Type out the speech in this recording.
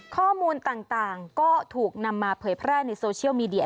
ข้อมูลต่างก็ถูกนำมาเผยแพร่ในโซเชียลมีเดีย